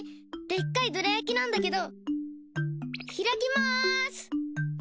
でっかいどら焼きなんだけど開きます！